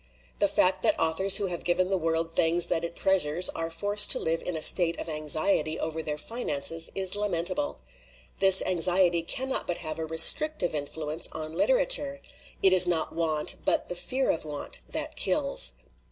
The fact that authors ii LITERATURE IN THE MAKING who have given the world things that it treasures are forced to live in a state of anxiety over their finances is lamentable. This anxiety cannot but have a restrictive influence on literature. It is not want, but the fear of want, that kills."